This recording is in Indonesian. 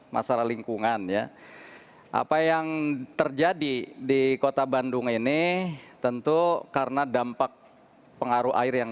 masalah lingkungan ya apa yang terjadi di kota bandung ini tentu karena dampak pengaruh air yang